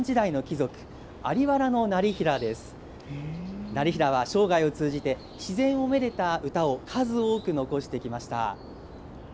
業平は生涯を通じて、自然をめでた歌を数多く残してきました。